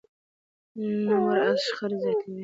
د قانون نه مراعت شخړې زیاتوي